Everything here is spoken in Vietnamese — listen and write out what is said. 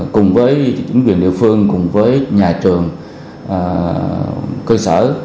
cùng với chính quyền địa phương cùng với nhà trường cơ sở